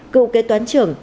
cựu kế toán trưởng